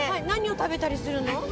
何を食べたりするの？